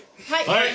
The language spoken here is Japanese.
はい！